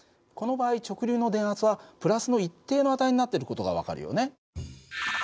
この場合直流の電圧はプラスの一定の値になっている事が分かるよね。